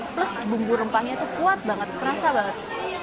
plus bumbu rempahnya tuh kuat banget kerasa banget